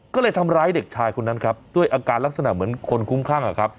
ก็เลยทำร้ายเด็กชายคนนั้นครับด้วยอาการลักษณะเหมือนคนคุ้มคลั่งอะครับ